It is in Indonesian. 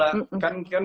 kerjaannya kion kan mulai